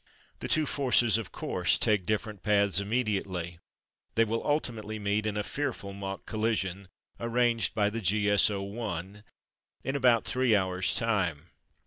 The two forces, of course, take different paths immediately. They will ultimately meet in a fearful mock collision (arranged by the G.S.O. i) in about three hours' time.